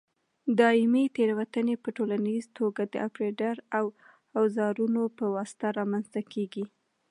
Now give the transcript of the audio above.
دایمي تېروتنې په ټولیزه توګه د اپرېټر او اوزارونو په واسطه رامنځته کېږي.